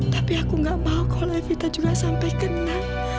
tapi aku gak mau kalau evita juga sampai kena